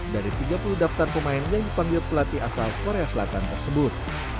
dari tiga puluh daftar pemain yang dipanggil pelatih asal korea selatan tersebut